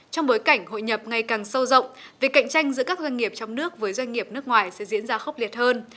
trong bối cảnh hội nhập ngày càng sâu rộng việc cạnh tranh giữa các doanh nghiệp trong nước với doanh nghiệp nước ngoài sẽ diễn ra khốc liệt hơn